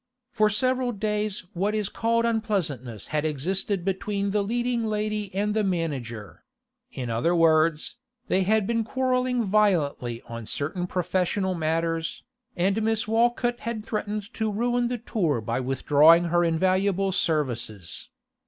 For several days what is called unpleasantness had existed between the leading lady and the manager: in other words, they had been quarrelling violently on certain professional matters, and Miss Walcott had threatened to ruin the tour by withdrawing her invaluable services.